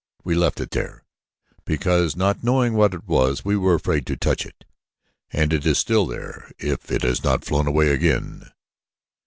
We left it there because, not knowing what it was, we were afraid to touch it and it is still there if it has not flown away again."